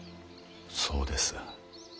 そうです。